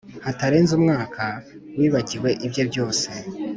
hatarenze umwaka, wibagiwe ibye byose